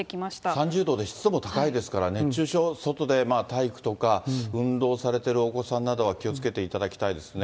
３０度で湿度も高いですから、熱中症、外で体育とか運動をされてるお子さんなどは、気をつけていただきたいですね。